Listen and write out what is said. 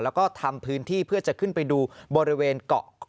แล้วก็ทำพื้นที่เพื่อจะขึ้นไปดูบริเวณเกาะ